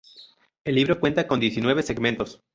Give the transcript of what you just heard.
El libro cuenta con diecinueve segmentos.